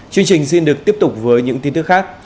chương trình xin được tiếp tục với những tin tức khác